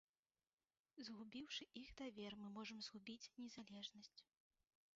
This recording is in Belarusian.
Згубіўшы іх давер, мы можам згубіць незалежнасць.